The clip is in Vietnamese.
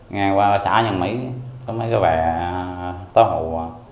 ngang qua bà xã nhân mỹ có mấy cái bè tối hụt